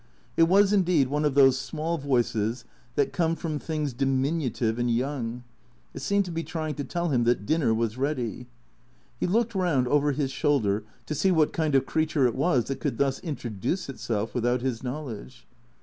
It was, indeed, one of those small voices that come from things diminutive and young. It seemed to be trying to tell him that dinner was ready. He looked round over his shoulder to see what kind of creature it was that coukl thus introduce itself without his knowledge.